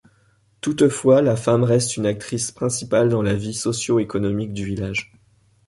Toutefois, la femme reste une actrice principale dans la vie socio-économique du village.